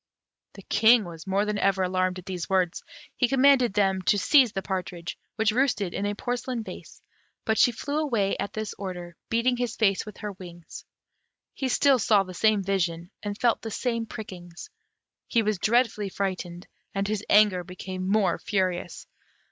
The King was more than ever alarmed at these words; he commanded them to seize the partridge, which roosted in a porcelain vase; but she flew away at this order, beating his face with her wings. He still saw the same vision, and felt the same prickings; he was dreadfully frightened, and his anger became more furious.